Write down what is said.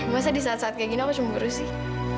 masa di saat saat kayak gini aku cemburu sih